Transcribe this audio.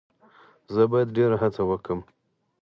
زه باید ډیر هڅه وکړم.